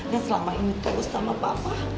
dan selama ini tulus sama papa